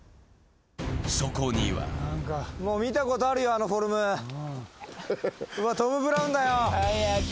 そこには見たことあるよ、あのフォルム、トム・ブラウンだよ。